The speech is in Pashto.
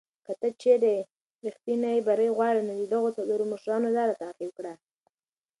که چېرې ته ریښتینی بری غواړې، نو د دغو څلورو مشرانو لاره تعقیب کړه.